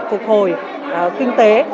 phục hồi kinh tế